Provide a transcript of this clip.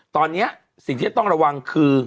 ตอนนี้สิ่งที่จะต้องระวังคือ